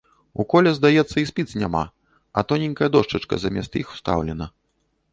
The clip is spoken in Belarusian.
У коле здаецца й спіц няма, а тоненькая дошчачка замест іх устаўлена.